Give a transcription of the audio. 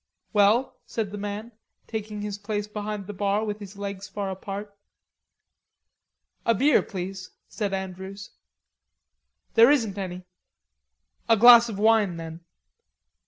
"Well," said the man, taking his place behind the bar with his legs far apart. "A beer, please," said Andrews. "There isn't any." "A glass of wine then."